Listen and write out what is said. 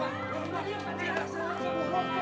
jalan jalan jalan